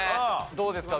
どうですか？